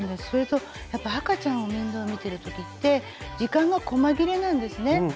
それとやっぱ赤ちゃんを面倒見てる時って時間がこま切れなんですね。